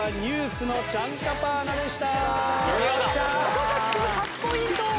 岡君初ポイント！